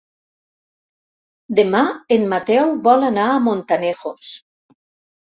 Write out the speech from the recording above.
Demà en Mateu vol anar a Montanejos.